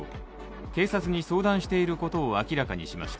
警察に相談していることを明らかにしました。